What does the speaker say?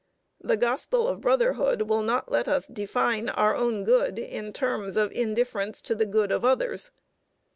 The gospel of brotherhood will not let us define our own good in terms of indifference to the good of others.